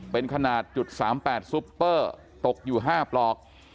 เป็นขนาดจุดสามแปดซุปเปอร์ตกอยู่ห้าปลอก